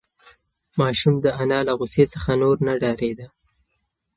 ماشوم د انا له غوسې څخه نور نه ډارېده.